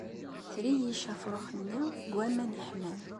Treyyec afrux-nni deg aman yeḥman...